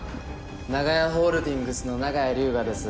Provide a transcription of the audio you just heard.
長屋ホールディングスの長屋龍河です。